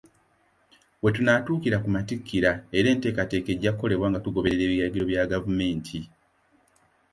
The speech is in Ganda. We tunaatuukira ku Matikkira era enteekateeka ejja kukolebwa nga tugoberera ebiragiro bya gavumenti.